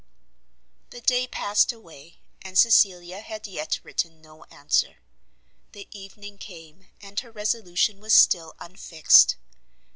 The day past away, and Cecilia had yet written no answer; the evening came, and her resolution was still unfixed.